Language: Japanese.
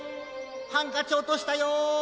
ハンカチおとしたよ！